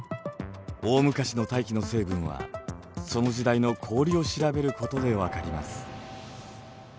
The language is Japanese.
大昔の大気の成分はその時代の氷を調べることで分かります。